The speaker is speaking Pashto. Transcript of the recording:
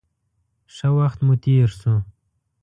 ښه وخت مو تېر شو.